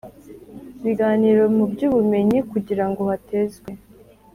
biganiro mu by ubumenyi kugira ngo hatezwe